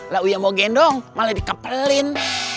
lauya mau gendong malah dikepelin